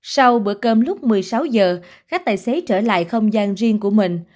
sau bữa cơm lúc một mươi sáu h các tài xế trở lại không gian riêng của mình